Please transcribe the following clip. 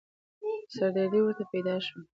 سردردې ورته پيدا شوه.